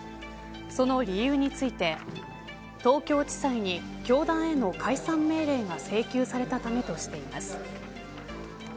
その理由について東京地裁に、教団への解散命令が請求されたためとしています。